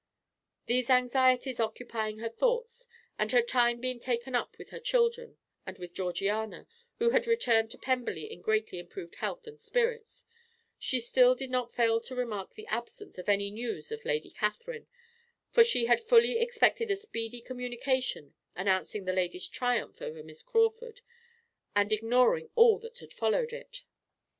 These anxieties occupying her thoughts, and her time being taken up with her children and with Georgiana, who had returned to Pemberley in greatly improved health and spirits, she still did not fail to remark the absence of any news of Lady Catherine, for she had fully expected a speedy communication announcing the lady's triumph over Miss Crawford and ignoring all that had followed it.